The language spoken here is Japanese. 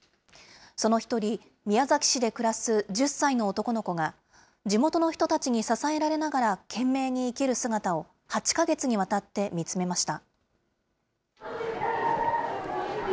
その１人、宮崎市で暮らす１０歳の男の子が、地元の人たちに支えられながら懸命に生きる姿を８か月にわたって見つめました。